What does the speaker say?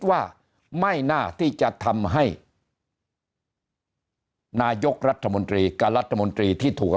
ว่าไม่น่าที่จะทำให้นายกรัฐมนตรีกับรัฐมนตรีที่ถั่ว